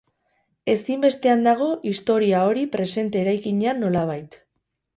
Ezinbestean dago historia hori presente eraikinean nolabait.